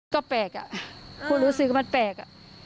ก็แปลกอ่ะพูดรู้สึกว่ามันแปลก